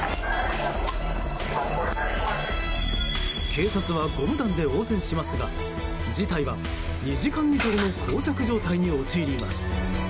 警察はゴム弾で応戦しますが事態は２時間以上の膠着状態に陥ります。